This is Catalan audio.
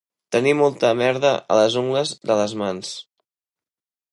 Tenir molta merda a les ungles de les mans.